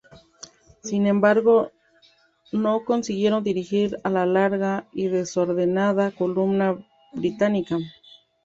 Sin embargo, no consiguieron dirigir a la larga y desordenada columna británica.